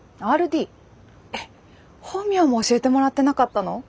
えっ本名も教えてもらってなかったの？